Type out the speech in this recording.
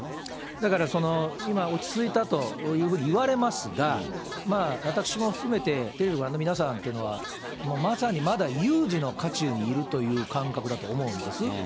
だから今、落ち着いたというふうにいわれますが、私も含めて、テレビをご覧の皆さんというのは、まさにまだ有事の渦中にいるという感覚だと思うんです。